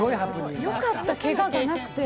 よかった、けががなくて。